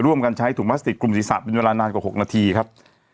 จะร่วมกันใช้ถุงพัฤติกลุ่มศิษฐ์เป็นเวลานานกว่า๖นาทีครับ